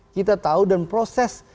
kita tahu dan proses